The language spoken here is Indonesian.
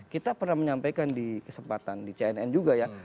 kita pernah menyampaikan di kesempatan di cnn juga ya